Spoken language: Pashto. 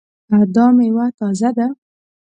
دا میوه تازه ده؟